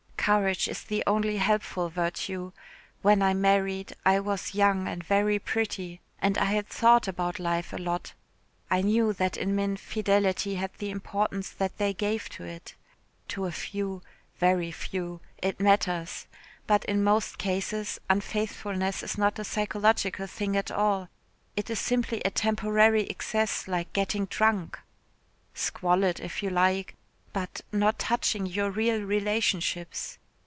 "Courage is the only helpful virtue; when I married I was young and very pretty and I had thought about life a lot. I knew that in men fidelity had the importance that they gave to it. To a few very few it matters but in most cases unfaithfulness is not a psychological thing at all; it is simply a temporary excess like getting drunk squalid, if you like but not touching your real relationships.